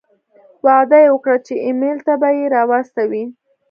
وعده یې وکړه چې ایمېل ته به یې را واستوي.